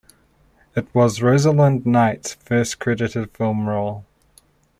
It was Rosalind Knight's first credited film role.